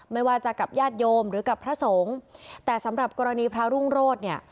ไม่ว่าจะกับญาติโยมหรือกับพระสงฆ์แต่สำหรับกรณีพระรุ่งโรธเนี่ย